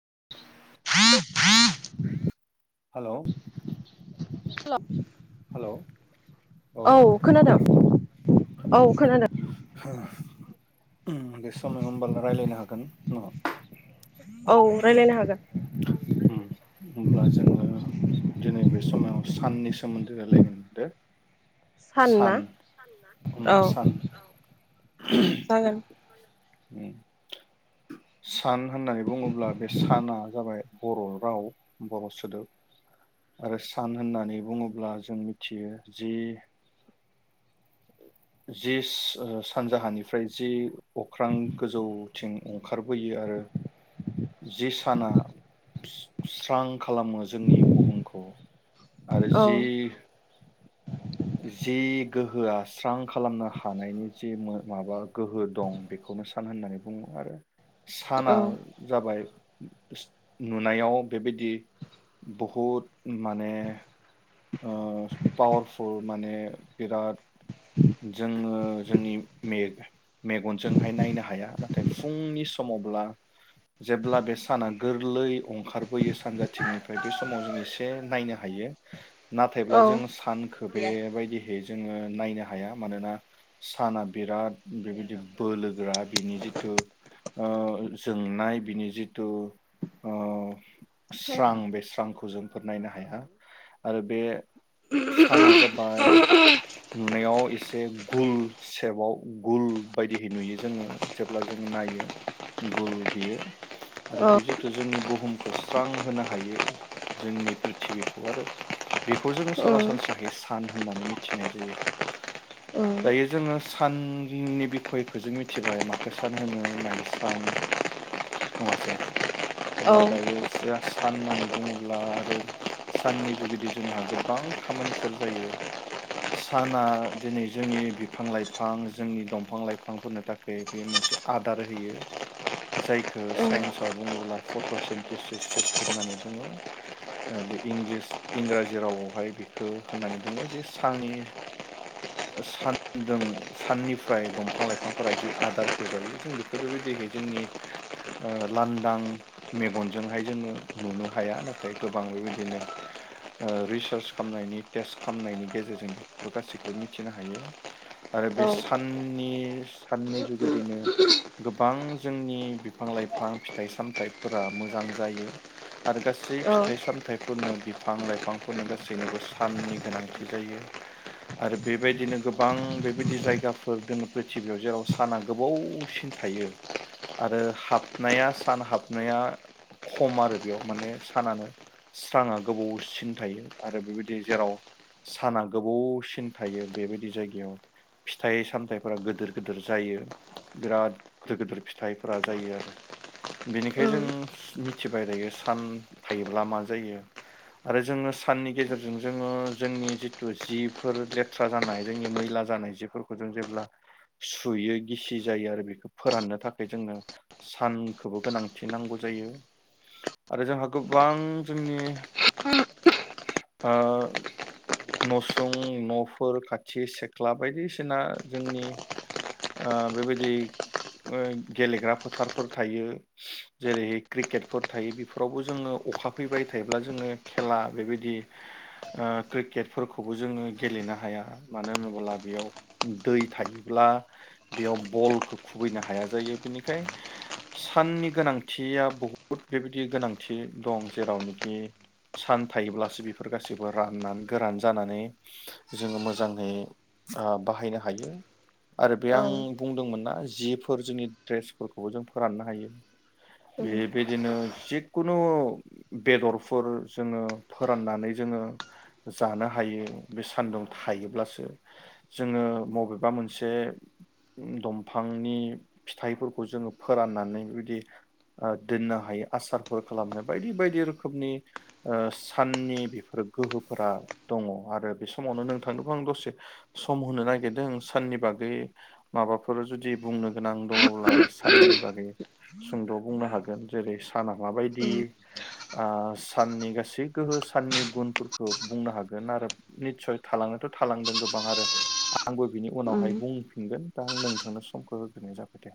[inaudible] Hello hello hello अ नोंथाङा खोनादों न' औ खोनादों उम बे समाव होनोमबाल राय्लायनो हागोन न' औ रायज्लायनो हागोन उम होमब्ला जोङो दिनै बे समाव साननि सोमोन्दै राय्लायगोन दे सान सान उम औ सान ना सान जागोन औ उम सान होननानै बुङोब्ला बे साना जाबाय बर' राव बर' सोदोब आरो सान होननानै बुङोब्ला जों मिथियो जि जिस ओ सानजाहानिफ्राय जि अख्रां गोजौथिं अंखारबोयो आरो जि साना [unintelligible] स्रां खालामो जोंनि बुहुमखौ आरो औ जि जि गोहोआ स्रां खालामनो हानायनि जि मो माबा गोहो दं बेखौनो सान होननानै बुङो आरो साना औ जाबाय नुनायाव बेबायदि बहुद माने ओ पावारफुल माने बिराद जोङो जोंनि मे-मेगनजोंहाय नायनो हाया नाथाय फुंनि समावब्ला जेब्ला बे साना गोरलै अंखार बोयो सानजाथिंनिफ्राय बे स माव जों एसे नायनो हायो। नाथायब्ला जों औ सानखो बेबायदिहै जोङो नायनो हाया, मानोना साना बिराद बेबायदि बोलोग्रा बिनि जि तु, ओ जोंनाय बिनि जिथु ओ स्रां, बे स्रांखौ जोंफोर नायनो हाया आरो। बे साना जाबाय, नुनायाव एसे गुल सेपाव गुल बायदिहै नुयो जोङो जेब्ला जोङो नायो गुल बियो आरो औ बे जितु जोंनि बुहुमखौ स्रां होनो हायो जोंनि प्रिथिबिखौ आरो। बेखौ जोङो उम सरासनस्राहै सान होननानै मिथिनाय जायो, उम दायो जोङो साननि बिखयखौ जों मिथिबाय माखो सान होनो मायो सान। नङासै? औ अब्ला दायो। जा साननानै बुङोब्ला आरो साननि जुगिदि जोंहा गोबां खामानिफोर जायो। साना दिनै जोंनि बिफां लाइफां, जोंनि दंफां लाइफांफोरनो थाखाय बे मोनसे आदार होयो। जायखो उम साइन्सआव बुङोब्ला फट'सेन्टिस् सिस्टेम होननानै बुङो। बे इंलिस इंराजि रावावहाय बेखो होननानै बुङो, जे साननि सानजों साननिफ्राय दंफां लाइफांफोरा जि आदार फजायो जों बेखो बेबायदिहै जोंनि ओ लांदां मेगनजोंहाय जोङो नुनो हाया। नाथाय गोबां बेबायदिनो ओ रिसार्च खामनायनि टेस्ट खामनायनि गेजेरजों बेफोखो गासैखोबो मिथिनो हायो। आरो औ बे साननि साननि जुगे बिनो गोबां जोंनि बिफां लाइफां फिथाइ सामथाइफोरा मोजां जायो। आरो गासै फिथाइ सामथाय फोरनो बिफां लाइफां। बिफांफोरनो गासैनोबो साननि गोनांथि जायो। आरो बेबायदिनो गोबां बेबायदि जायगाफोर दोङो प्रिथिबियाव जेराव साना गोबौसिन थायो। आरो हाबनाया, सान हाबनाया खम आरो बेयाव माने सानानो स्रांआ गोबावसिन थायो, आरो बेबायदि जेराव साना गोबावसिन थायो। बेबायदि जायगायाव फिथाइ सामथाइफोरा गोदोर गोदोर जायो् बिराद गोदोर गोदोर फिथाइफोरा जायो आरो। बेनिखाय उम जों मिथिबाय दायो, सान थायोब्ला मा जायो। आरो जोङो साननि गेजेरजों जोङो, जोंनि जिटु जिफोर लेथ्रा जानाय जोंनि मैला जानाय जिफोरखौ जों जेब्ला सुयो गिसि जायो आरो बेखौ फोराननो थाखाय जोंनो सानखौबो गोनांथि नांगौ जायो। आरो जोंहा गोबां जोंनि आ न'सुं न'फोर खाथि सेख्ला बायदिसिना जोंनि आ बेबायदि ओ गेलेग्रा फोथारफोर थायो। जेरै क्रिकेटफोर थायो बेफोरावबो जोङो अखा फैबाय थायोब्ला जोङो खेला बेबायदि आ क्रिकेटफोरखौबो जोङो गेलेनो हाया। मानो होनोब्ला? बेयाव दै थायोब्ला बेयाव बलखौ खुबैनो हाया जायो बेनिखाय साननि गोनांथिया बहुद बेबायदि गोनांथि दं जेरावनोखि सान थायोब्लासो बेफोर गासैबो राननानै गोरान जानानै। जोङो मोजाङै आ बाहायनो हायो। आरो बे औ आं बुंदोंमोन ना। जिफोर जोंनि ड्रेसफोरखौबो जों फोराननो हायो। उम बे बेदिनो जिख खुनु बेदरफोर जोंङो फोराननानै जोंङो, जानो हायो। बे सान्दुं थायोब्लासो जोंङो मबेबा मोनसे दंफांनि फिथाइफोरखौ जोंङो फोराननानै बेबि दोननो हायो। आसारफोर खालामनो बायदि-बायदि रोखोमनि ओ साननि बेफोर गोहोफोरा दंङ, आरो बे समावनो नोंथांनोखौ आं दसे सम होनो नागिरदों साननि बागै माबाफोर जुदि बुंनो गोनां दंङब्ला बे साननि बागै सुंद बुंनो हागोन जेरै साना माबायदि? साननि गासै गोहो साननि गुनफोरखौ बुंनो हागोन आरो। निस्सय थालांनोथ थालांदों गोबां आरो आंबो बिनि उनावहाय उम बुंफिनगोन, दा आं नोंथांनो समखौ होग्रोनाय जाबाय दे।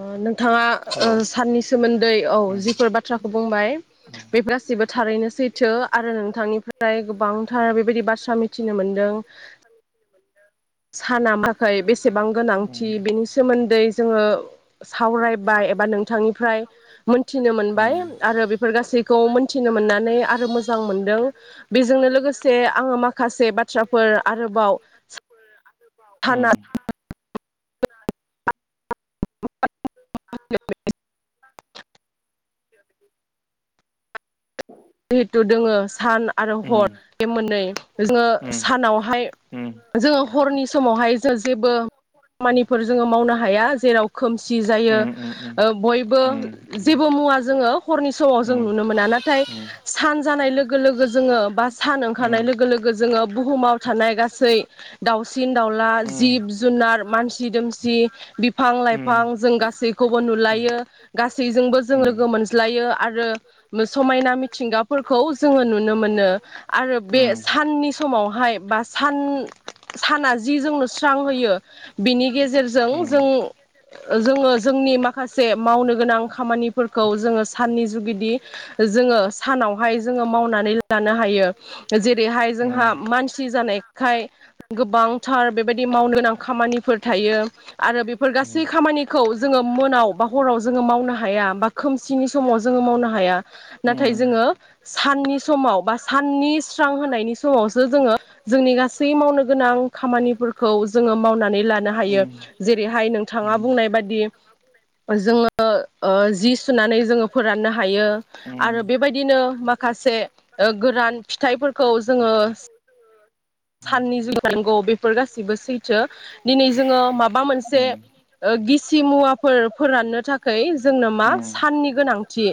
ओ नों नोंथांङा हेलौ साननि सोमोन्दै औ, जिफोर बाथ्राखौ बुंबाय बे गासिबो थारैनो सैथो। आरो नोंथांनिफ्राय गोबांथार बेबायदि बाथ्रा मिथिनो मोनदों। साना माखाय बेसेबां गोनांथि? बेनि सोमोन्दै जोंङो साव बाय एबा नोंथांनिफ्राय मोनथिनो मोनबाय आरो बेफोर गासैखौ मोनथिनो मोननानै आरो मोजां मोनदों बेजोंनो लोगोसे आंङो माखासे बाथ्राफोर आरोबाव साना उम। ना [unintelligible] [inaudible] जिहेथु दोंङो सान आरो हर। बे मोननै जोंङो उम सानावहाय जोंङो हरनि समावहाय जों जे बो खामानिफोर जोंङो मावनो हाया जेराव खोमसि जायो ओ बयबो जोङो हरनि जेबो मुवा जोंङो हरनि समाव जों नुनो मोना। नाथाय सान जानाय लोगो लोगो जोंङो बा सान सान ओंखारनाय लोगो लोगो जोंङो बुहुमाव थानाय गासै दाउसिन दाउला जिब जुनार मानसि दोमसि बिफां लाइफां जों बिफां गासैखौबो नुलायो गासैजोंबो जों लोगो मोनज्लायो आरो समायना मि थिंगाफोरखौ जोंङो नुनो मोनो आरो बे साननि समावहाय बा सान साना जि जोंनो स्रां होयो बिनि गेजेरजों मोनो जों जोंङो जोंनि माखासे मावनो गोनां खामानिफोरखौ जोंङो साननि जुगिदि जोंङो सानावहाय जोंङो मावनानै लानो हायो। जेरैहाय जोंहा मानसि जानायखाय गोबांथार बेबायदि मावनो गोनां खामानिफोर थायो आरो बेफोर समाव गासै खामानिखौ जोंङो मोनायाव बा हराव जोंङो मावनो हाया बा खोमसिनि समाव जोंङो मावनो हाया। ना थाय जोंङो साननि समाव बा साननि स्रां होनायनि समावसो जोंङो जोंनि गासै मावनो गोनां खामानिफोरखौ जोंङो मावनानै लानो हायो जेरैहाय नोंथांङा बुंनाय बायदि जोंङो ओ जि सुनानै जोंङो फोराननो हायो। आरो बेबायदिनो माखासे ओ गोरान फिथाइफोरखौ जोंङो साननि जुग [unintelligible] नांगौ बेफोर गासि सैथो दिनै जोंङो माबा मोनसे ओ गिसि मुवाफोर फोराननो थाखाय जोंनो मा? साननि गोनांथि।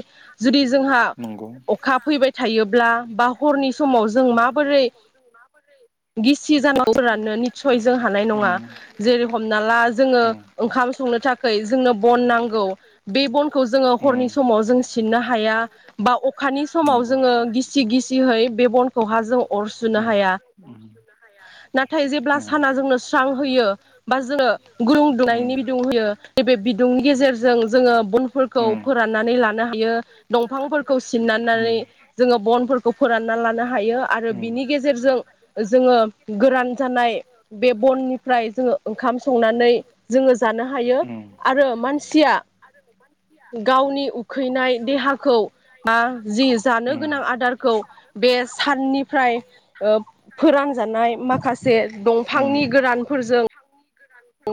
जुदि जोंहा अखा फैबाय थायोब्ला बा हरनि समाव जों माबोरै गिसि जानां [unintelligible] सयज' हानाय नङा। जेरै हमना ला जोङो ओंखाम संनो थाखै जोंनो बन नांगौ बे बनखौ जोङो हरनि समाव जों सिननो हाया बा अखानि समाव जोङो गिसि गिसिहै बे बनखौहा जों अर सुनो हाया। नाथाय जेब्ला साना जोंनो स्रां होयो बा जोङो गदुं दुंनायनि बिदुं होयो नैबे बिदुंनि गेजेरजों जोङो बनफोरखौ फोराननानै लानो हायो दंफांफोरखौ सिननानै जोङो बनफोरखौ फोरानना लानो हायो आरो बिनि गेजेरजों जोङो गोरान जानो बे बननिफ्राय जोङो ओंखाम संनानै जोङो जानो हायो आरो मानसिया गावनि उखैनाय देहाखौ बा जि जानो गोनां आदारखौ बे साननिफ्राय ओ फोरान जानाय माखास जे दंफांनि गोरानफोरजों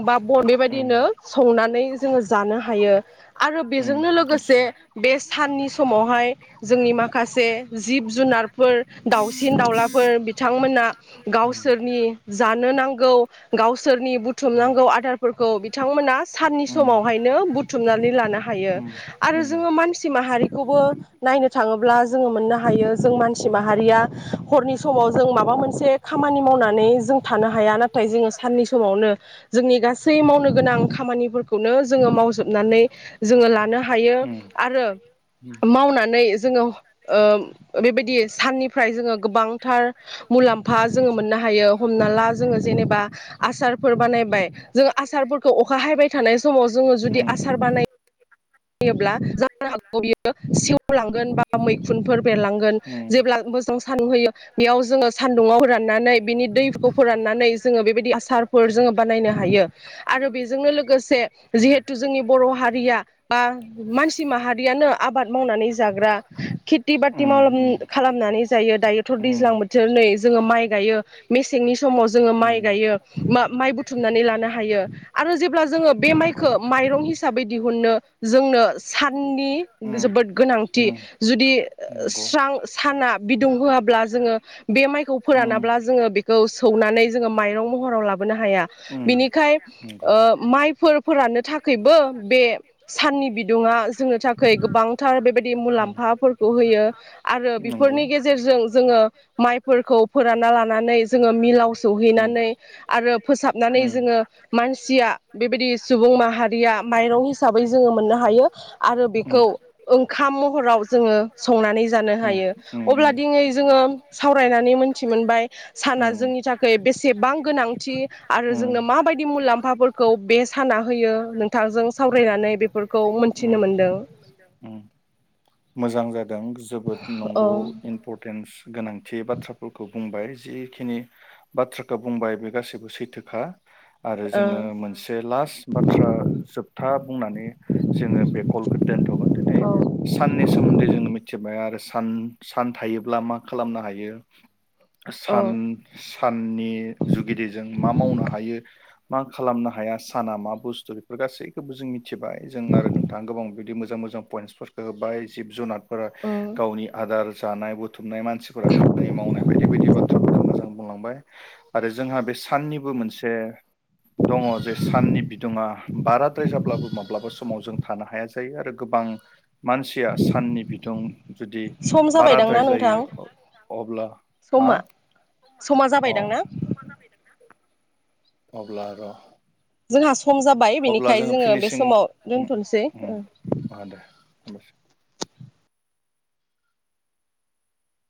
बा बन बेबायदिनो संनानै जोङो जानो हायो आरो बेजोंनो लोगोसे बे साननि समावहाय जोंनि माखासे जिब जुनारफोर दाउसिन दाउलाफोर बिथांमोना गावसोर नि जानो नांगौ गावसोरनि बुथ नांगौ आदारफोरखौ बिथांमोना साननि समावहायनो बुथुमनानै लानो हायो आरो जोङो मानसि माहारिखौबो नायनो थाङोब्ला जोङो मोननो हायो जों मानसि माहारिया हरनि समाव जों माबा मोनसे खामानि माव नै जों थांनो हाया नाथाय जोङो साननि समावनो जोंनि गासै मावनो गोनां खामानिफोरखौनो जोङो मावजोबनानै जोङो लानो हायो आरो मावनानै जोङो ओ बेबायदि साननिफ्राय जोङो गोबांथार मुलाम्फा जोङो मोननो हायो हमना ला जोङो जेनेबा आसार फोर बानायबाय जों आसारफोरखौ अखा हायबाय थानाय समाव जोङो जुदि आसार बानाय योब्ला जानो हागौ बियो सेवलांगोन बा मैखुनफोर बेरलांगोन जेब्ला मोजां सान्दुं होयो बेयाव जोङो सान्दुंङाव फोराननानै बिनि दैखौ फोराननानै जोङो बेबायदि आसारफोर जोङो बानायनो हायो आरो बेजोंनो लोगोसे उम जिहेथु जोंनि बर' हारिया बा मानसि माहारियानो आबाद मावनानै जाग्रा खेथि बाथि उम माव उम खालामनानै जायो दायोथ' उम दैज्लां बोथोर नै जोङो माइ गाय गायो मेसेंनि समाव जोङो माइ उम गायो मा माइ बुथुमनानै लानो हायो आरो जेब्ला जोङो बे नंगौ माइखो माइरं हिसाबै दिहुनो जोंनो साननि जोबोद उम गोनांथि जुदि नंगौ स्रां साना बिदुं स्राव होआब्ला जोङो बे माइखौ फोरानाब्ला बेखौ सौनानै जोङो माइरं महराव लाबोनो हाया बिनिखाय ओ माइफोर फोरानानो थाखायबो बे साननि बिदुङा जोंनो थाखाय गोबांथार बेबायदि मुलाम्फाफोरखौ होयो आरो होयो बेफोरनि गेजेरजों जोङो माइफोरखौ फोरानना लाना नानै जोङो मिलाव सौहैनानै आरो फोसाबनानै जोङो मानसिया बेबायदि सुबुं माहारिया माइरं जोङो मोननो हायो आरो बेखौ ओंखाम महराव जोङो संनानै जानो हायो अब्ला दिनै जोङो सावरायनानै मोनथि मोनबाय साना जोंनि थाखाय बेसेबां गोनांथि आरो जोंनो मोनथिमोनबाय माबायदि मुलाम्फाफोरखौ बे साना होयो नोंथांजों सावरायनानै बेफोरखौ मोनथिनो मोनदों ओं जोबोद औ नंगौ इम्परटेन्स गोनांथि बाथ्राफोरखौ बुंबाय। जिखिनि बाथ्राखौ बुंबाय बे गासैबो सैथोखा। आरो जोङो मोनसे लास्ट बाथ्रा जोबथा। बुंनानै। जोङो बे कलखौ दोनथ'गोन दिनै ओ साननि सोमोन्दै जोङो। मिथिमाया आरो सान सान थायोब्ला मा खालामनो हायो। औ सान साननि जुगिदिजों मा मावनो हायो। मा खालामनो हाया साना मा बुस्थु बेफोर गासैखौबो जों मिथिबाय जों आरो नोंथाङा गोबां बिबायदि मोजां मोजां पइन्टसफोरखौ होबाय जिब जुनारफोरा ओम गावनि आदार जानाय बुथुमनाय मानसिफोरा खामानि मावनाय बायदि। बेबायदि बाथ्राफोरखौ मोजां बुंलांबाय आरो जोंहा बे साननिबो मोनसे दङ जे साननि बिदुङा बाराद्राय जाब्लाबो माब्लाबा समाव जों थानो हाया जायो आरो गोबां। मानसिया साननि बिदुं जुदि सम बाराद्राय जाबायदांना जायो नोंथां अब्ला। हा समा समा अ जाबायदां ना अब्ला र' जोंहा स सम जाबाय अब्ला बेनिखाय जोङो बे फिनिसिं समाव उम दोनथ'नोसै उम ओ ओ [unintelligible]